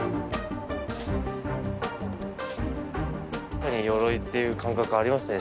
やっぱり鎧っていう感覚ありますね